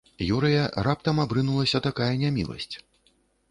Юрыя раптам абрынулася такая няміласць?